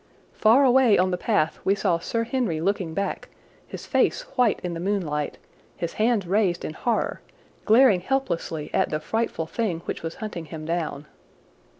Far away on the path we saw Sir Henry looking back, his face white in the moonlight, his hands raised in horror, glaring helplessly at the frightful thing which was hunting him down.